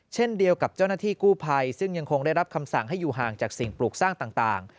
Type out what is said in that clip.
เช่นเดียวกับเจ้าหน้าที่กู้ภัยซึ่งยังคงได้รับคำสั่งให้อยู่ห่างจากสิ่งปลูกสร้างต่าง